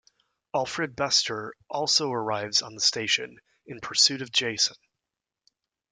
Alfred Bester also arrives on the station, in pursuit of Jason.